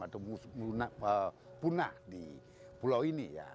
atau punah di pulau ini ya